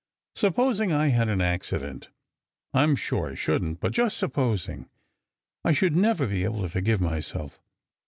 Supposing I had an accident? I m sure I shouldn t but just supposing. I should never be able to forgive myself.